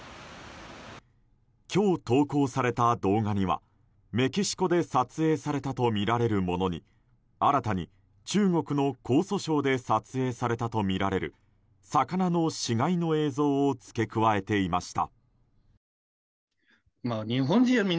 今日、投稿された動画にはメキシコで撮影されたとみられるものに新たに中国の江蘇省で撮影されたとみられる魚の死骸の映像を付け加えていました。